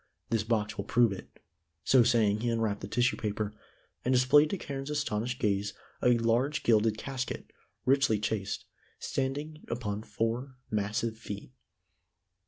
This box will prove it." So saying he unwrapped the tissue paper, and displayed to Carne's astonished gaze a large gilded casket, richly chased, standing upon four massive feet.